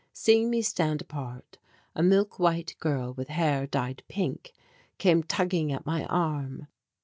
Seeing me stand apart, a milk white girl with hair dyed pink came tugging at my arm.